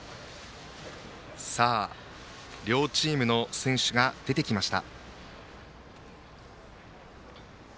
両チームの選手が出てきました。